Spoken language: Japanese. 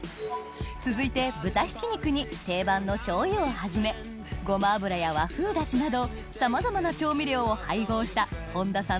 続いて豚ひき肉に定番の醤油をはじめゴマ油や和風出汁などさまざまな調味料を配合した本多さん